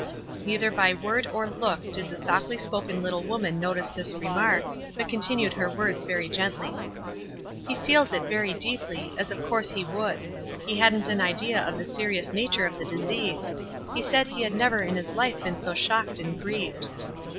Neither by word or look did the softly spoken little woman notice this remark, but continued her words very gently. "He feels it very deeply, as of course he would. He hadn't an idea of the serious nature of the disease. He said he had never in hi3 life been so shocked and grieved."